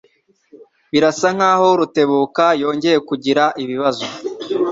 Birasa nkaho Rutebuka yongeye kugira ibibazo.